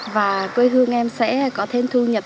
và quê hương em sẽ có thêm thu nhập